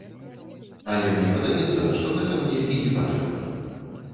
Але мне падаецца, што гэта мне і не патрэбна.